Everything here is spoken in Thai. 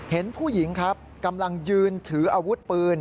เห็นผู้หญิงครับกำลังยืนถืออาวุธปืน